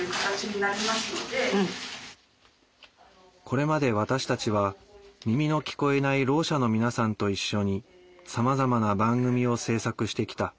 これまで私たちは耳の聞こえないろう者の皆さんと一緒にさまざまな番組を制作してきた。